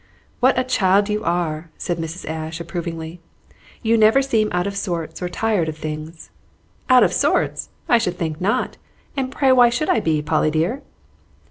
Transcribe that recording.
"What a child you are!" said Mrs. Ashe, approvingly; "you never seem out of sorts or tired of things." "Out of sorts? I should think not! And pray why should I be, Polly dear?"